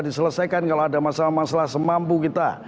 diselesaikan kalau ada masalah masalah semampu kita